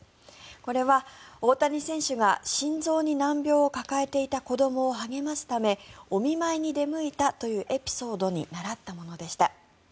これは大谷選手が心臓に難病を抱えていた子どもを励ますためお見舞いに出向いたというエピソードに倣ったものでした。